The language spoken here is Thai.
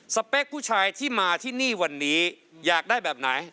เป๊กผู้ชายที่มาที่นี่วันนี้อยากได้แบบไหน